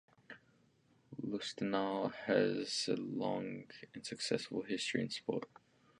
Lustenau has a long and successful history in sports.